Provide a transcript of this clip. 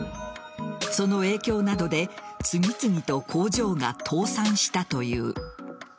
その影響などで次々と工場が倒産したという。